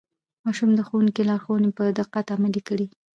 ماشوم د ښوونکي لارښوونې په دقت عملي کړې